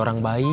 aku menguat baju